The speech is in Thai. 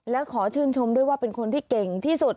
และขอชื่นชมด้วยว่าเป็นคนที่เก่งที่สุด